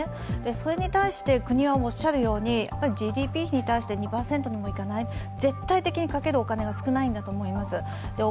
それに対して国はＧＤＰ比に対して２％にもいかない絶対的にかけるお金が少ないんだと思います。